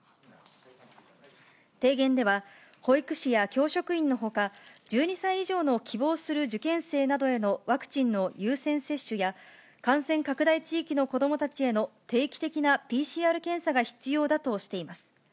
提言では、保育士や教職員のほか、１２歳以上の希望する受験生などへのワクチンの優先接種や、感染拡大地域の子どもたちへの定期的なＰＣＲ検査が必要だとしています。